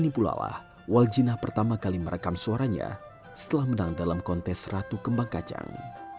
ini pula lah waljina pertama kali merekam suaranya setelah menang dalam kontes ratu kembang kacang